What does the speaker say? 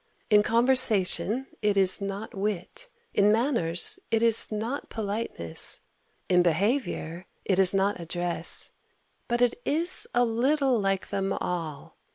In conversation it is not wit; in manners it is not politeness; in behaviour it is not address; but it is a little like them all.